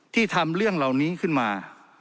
ที่ทำเรื่องเหล่านี้ขึ้นมา